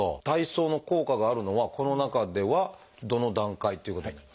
体操の効果があるのはこの中ではどの段階ということに？